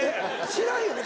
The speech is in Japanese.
知らんよね